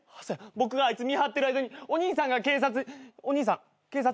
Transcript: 僕があいつ見張ってる間にお兄さんが警察お兄さん警察。